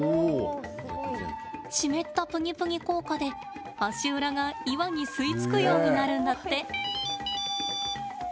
湿ったプニプニ効果で足裏が岩に吸い付くようになるんだって。